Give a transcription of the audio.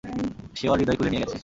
সে ওর হৃদয় খুলে নিয়ে গেছে!